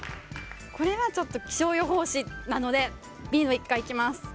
これは気象予報士なのでＢの１階いきます。